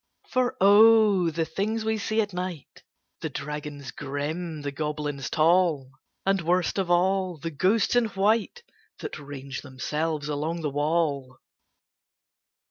For O! the things we see at night The dragons grim, the goblins tall, And, worst of all, the ghosts in white That range themselves along the wall!